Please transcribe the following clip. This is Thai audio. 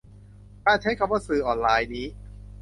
การใช้คำว่า "สื่อออนไลน์" นี้